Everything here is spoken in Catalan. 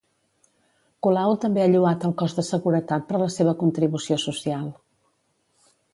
Colau també ha lloat el cos de seguretat per la seva contribució social.